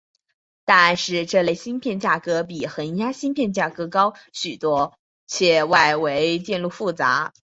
但是这类芯片价格比恒压芯片价格高许多且外围电路复杂。